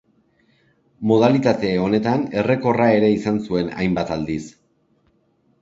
Modalitate honetan errekorra ere izan zuen hainbat aldiz.